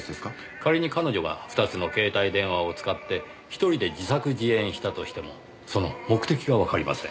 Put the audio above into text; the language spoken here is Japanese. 仮に彼女が２つの携帯電話を使って１人で自作自演したとしてもその目的がわかりません。